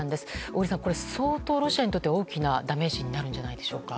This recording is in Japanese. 小栗さん、これ相当ロシアにとって大きなダメージになるんじゃないでしょうか。